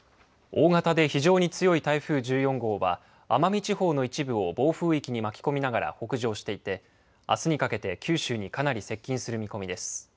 大型で非常に強い台風１４号は奄美地方の一部を暴風域に巻き込みながら北上していてあすにかけて九州にかなり接近する見込みです。